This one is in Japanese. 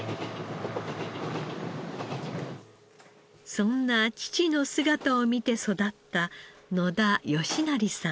そんな父の姿を見て育った野田好成さん。